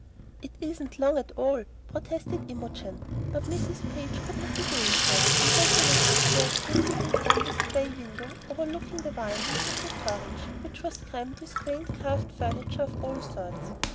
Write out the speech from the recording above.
"It isn't long at all," protested Imogen; but Mrs. Page could not be gainsaid, and led the way upstairs to a sitting room with a bay window overlooking the windings of the Torridge, which was crammed with quaint carved furniture of all sorts.